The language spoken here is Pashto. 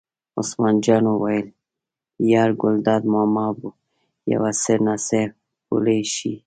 عثمان جان وویل: یار ګلداد ماما یو څه نه څه پولې شته.